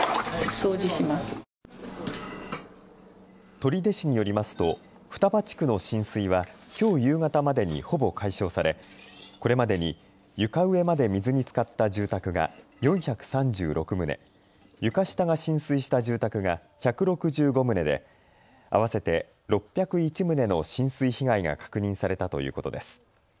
取手市によりますと双葉地区の浸水はきょう夕方までにほぼ解消され、これまでに床上まで水につかった住宅が４３６棟、床下が浸水した住宅が１６５棟で合わせて６０１棟の浸水被害が確認されたということです。